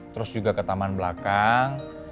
terus juga ke taman belakang